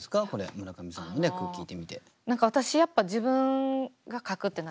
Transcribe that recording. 村上さんの句を聞いてみて。